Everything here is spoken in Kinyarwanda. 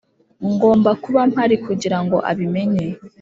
ngomba kuba mpari kugirango abimenye